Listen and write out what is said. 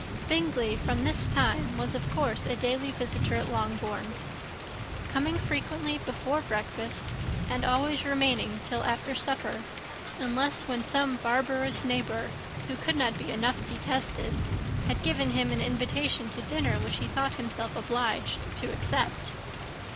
Bingley, from this time, was of course a daily visitor at Longbourn; coming frequently before breakfast, and always remaining till after supper; unless when some barbarous neighbour, who could not be enough detested, had given him an invitation to dinner, which he thought himself obliged to accept.